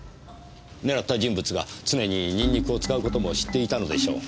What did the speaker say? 狙った人物が常にニンニクを使う事も知っていたのでしょう。